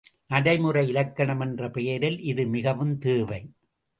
நடைமுறை இலக்கணம் என்ற பெயரில் இது மிகவும் தேவை.